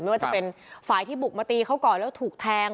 ไม่ว่าจะเป็นฝ่ายที่บุกมาตีเขาก่อนแล้วถูกแทง